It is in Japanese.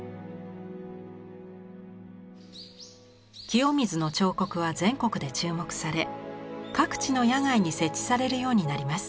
清水の彫刻は全国で注目され各地の野外に設置されるようになります。